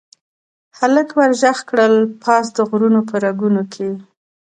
هلک ور ږغ کړل، پاس د غرونو په رګونو کې